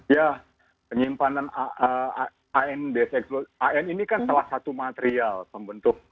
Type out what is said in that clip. ya penyimpanan an ini kan salah satu material pembentuk